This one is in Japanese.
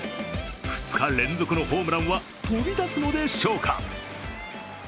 ２日連続のホームランは飛び出すのでしょうか。